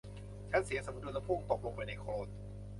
ฉันเสียสมดุลและพุ่งตกลงไปในโคลน